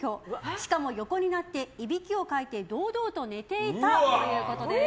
しかも横になっていびきをかいて堂々と寝ていたということです。